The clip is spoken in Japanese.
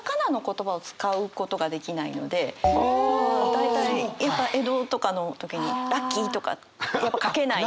大体江戸とかの時に「ラッキー」とか書けない。